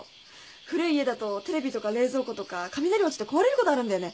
古い家だとテレビとか冷蔵庫とか雷落ちて壊れることあるんだよね。